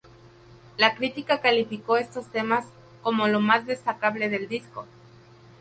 La crítica calificó estos temas como lo más destacable del disco.